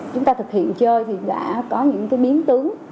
chúng ta thực hiện chơi thì đã có những biến tướng